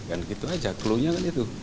dan gitu aja clue nya kan itu